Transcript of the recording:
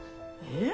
え？